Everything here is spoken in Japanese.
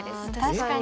確かに。